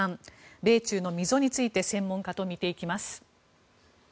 米中の溝について専門家と見ていきます。